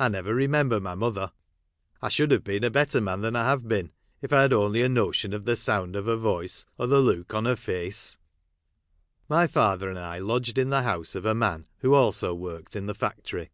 I never remember my mother. I should have been a better man than. I have been, if I hnd 6nly had a notion of the sound of her voice, or the look on her face, My father and I lodged in the house of a man, who also worked in the factory.